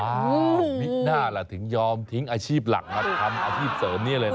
มิน่าล่ะถึงยอมทิ้งอาชีพหลักมาทำอาชีพเสริมนี้เลยนะ